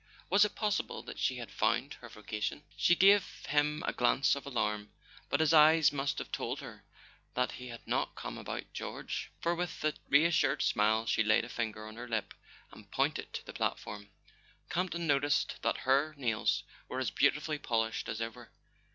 Was it possible that she had found her voca¬ tion ?[ 202 1 A SON AT THE FRONT She gave him a glance of alarm, but his eyes must have told her that he had not come about George, for with a reassured smile she laid a finger on her lip and pointed to the platform; Camp ton noticed that her nails were as beautifully polished as ever.